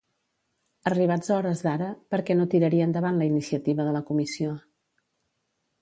Arribats a hores d'ara, per què no tiraria endavant la iniciativa de la Comissió?